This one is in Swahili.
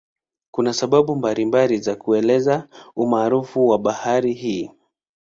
Kuna sababu mbalimbali za kuelezea umaarufu wa bahari hii.